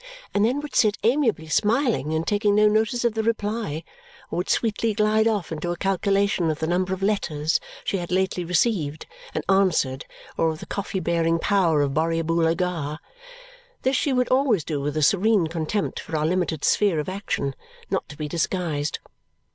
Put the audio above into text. And then would sit amiably smiling and taking no notice of the reply or would sweetly glide off into a calculation of the number of letters she had lately received and answered or of the coffee bearing power of Borrioboola Gha. This she would always do with a serene contempt for our limited sphere of action, not to be disguised.